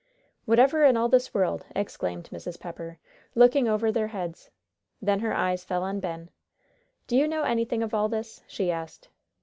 "Whatever in all this world!" exclaimed Mrs. Pepper, looking over their heads. Then her eyes fell on Ben. "Do you know anything of all this?" she asked.